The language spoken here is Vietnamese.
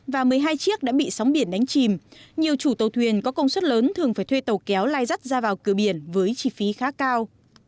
và một mươi hai chiếc đã bị sóng biển đánh chìm nhiều chủ tàu thuyền có công suất lớn thường phải thuê tàu kéo lai rắt ra vào cửa biển với chi phí khá cao